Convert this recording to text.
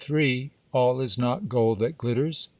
— All is not gold that glitters.